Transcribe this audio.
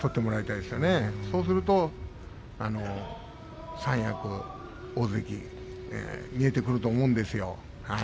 そうすると三役、大関見えてくると思うんですよ。